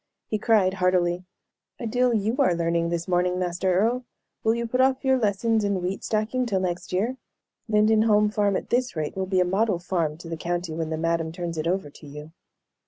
He cried, heartily: "A deal you are learning this morning, Master Earle. Will you put off your lessons in wheat stacking till next year? Lindenholm farm, at this rate, will be a model farm to the county when the madam turns it over to you."